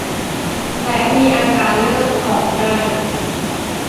และมีอาการเลือดออกง่าย